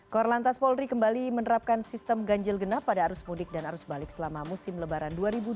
korlantas polri kembali menerapkan sistem ganjil genap pada arus mudik dan arus balik selama musim lebaran dua ribu dua puluh